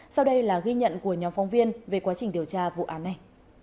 sau đây là ghi nhận của nhóm phóng viên về quá trình điều tra vụ án này